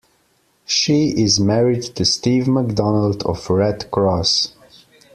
She is married to Steve McDonald of Redd Kross.